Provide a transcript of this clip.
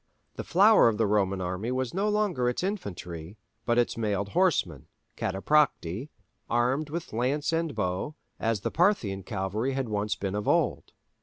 The flower of the Roman army was no longer its infantry, but its mailed horsemen (Cataphracti), armed with lance and bow, as the Parthian cavalry had once been of old.